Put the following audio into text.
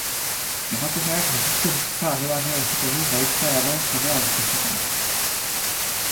Emakumeak luxuzko bizitza alde batera utziko du bahituta dagoen semea aurkitzeko.